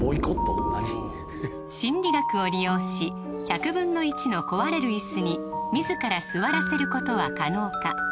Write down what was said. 心理学を利用し１００分の１の壊れる椅子に自ら座らせることは可能か？